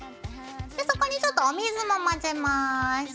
そこにちょっとお水も混ぜます。